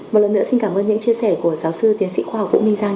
một lần nữa xin cảm ơn những chia sẻ của giáo sư tiến sĩ khoa học vũ minh giang